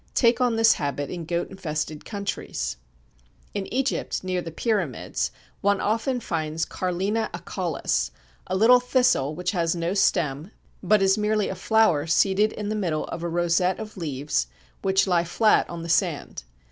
take on this habit in goat infested countries. Kerner, l.c. In Egypt, near the Pyramids, one often finds Carlina acaulis, a little thistle which has no stem, but is merely a flower seated in the middle of a rosette of leaves which lie flat on the sand.